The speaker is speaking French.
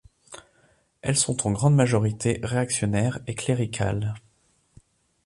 Elles sont en grande majorité réactionnaires et cléricales.